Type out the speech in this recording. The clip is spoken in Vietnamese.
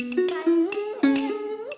đã xuất hiện